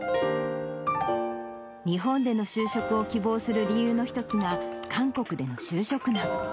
日本での就職を希望する理由の一つが、韓国での就職難。